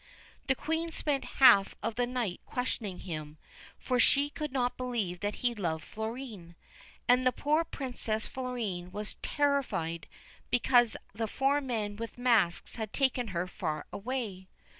The Queen spent half of the night questioning him, for she could not believe that he loved Florine. And the poor Princess Florine was terrified because the four men with masks had taken her far away.